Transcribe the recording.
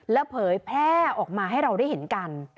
แล้วเผยแพร่ออกมาให้เราได้เห็นกัน